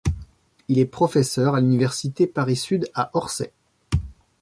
Il est professeur à l'Université Paris-Sud à Orsay.